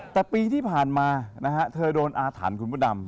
แต่ปีที่ผ่านมานะฮะเธอโดนอาถรรพ์คุณพระดำ